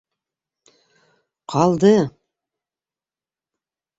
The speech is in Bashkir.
Ҡалды!